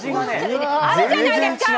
あるじゃないですか！